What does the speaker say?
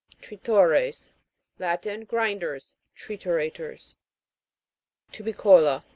TRITO'RES. Latin. Grinders ; tri turators. TUBICO'LA.